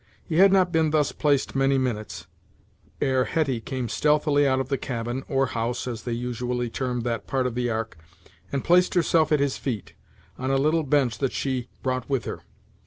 He had not been thus placed many minutes, ere Hetty came stealthily out of the cabin, or house, as they usually termed that part of the ark, and placed herself at his feet, on a little bench that she brought with her.